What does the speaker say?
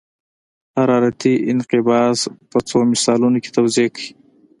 حرارتي انقباض په څو مثالونو کې توضیح کړئ.